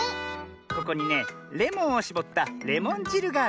ここにねレモンをしぼったレモンじるがある。